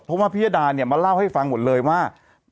เพราะว่าพิญญาดามันเล่าให้ฟังหมดเลยว่า